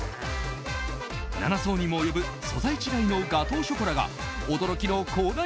７層にも及ぶ素材違いのガトーショコラが驚きの口内